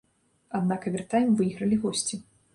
Аднак авертайм выйгралі госці.